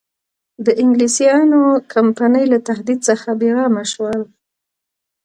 د انګلیسیانو کمپنۍ له تهدید څخه بېغمه شول.